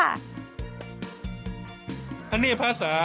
อันนี้ภาษา